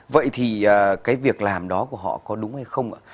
vậy thì cái việc làm đó của họ có đúng hay không ạ